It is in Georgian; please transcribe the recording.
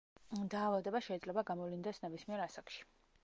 დაავადება შეიძლება გამოვლინდეს ნებისმიერ ასაკში.